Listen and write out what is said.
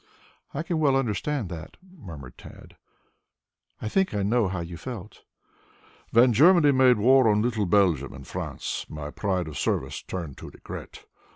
"I can well understand that," murmured Tad. "I think I know how you felt." "When Germany made war on little Belgium and France my pride of service turned to regret.